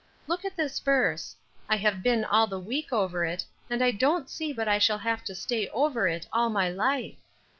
Look at this verse. I have been all the week over it, and I don't see but I shall have to stay over it all my life.